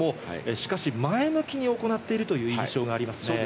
しかし、前向きに行っているという印象がありますね。